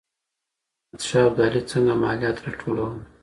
احمد شاه ابدالي څنګه ماليات راټولول؟